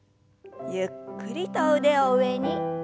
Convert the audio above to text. ゆっくりと腕を上に。